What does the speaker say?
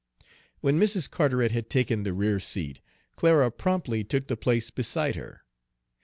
When Mrs. Carteret had taken the rear seat, Clara promptly took the place beside her.